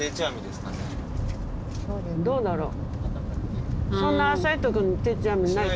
どうだろう？